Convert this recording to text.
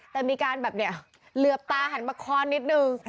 แต่มีการแบบเนี่ยเหลือบตาหันมาคอนนิดนึง